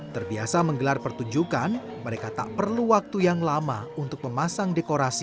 terbiasa menggelar pertunjukan mereka tak perlu waktu yang lama untuk memasang dekorasi